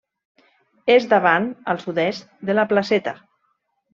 És davant, al sud-est, de la Placeta.